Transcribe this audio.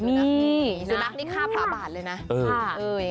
นี่สุนัขนี่ฆ่าพระบาทเลยนะ